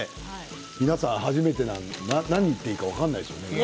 皆さん初めてだから何て言っていいか分からないですよね。